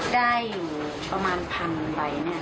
ได้ประมาณพันใบนี่